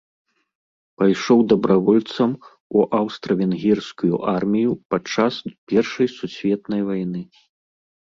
Пайшоў дабравольцам у аўстра-венгерскую армію падчас першай сусветнай вайны.